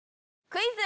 クイズ！！